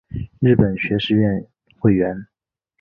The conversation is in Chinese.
日本学士院会员。